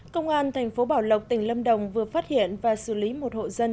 công an tp bảo lộc tỉnh lâm đồng vừa phát hiện và xử lý một hộ dân